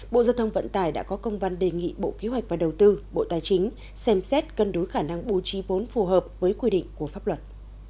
bộ giao thông vận tải đã có công văn đề nghị bộ kế hoạch và đầu tư bộ tài chính xem xét cân đối khả năng bố trí vốn phù hợp với quy định của pháp luật